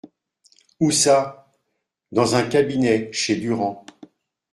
Où ça ? Dans un cabinet, chez Durand.